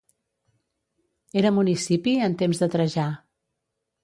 Era municipi en temps de Trajà.